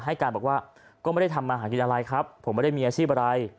ให้การบอกว่าก็ไม่ได้ทำมาหากินอะไรครับผมไม่ได้มีอาชีพอะไร